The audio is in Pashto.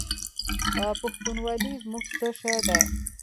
پښتونولي زموږ څه شی دی؟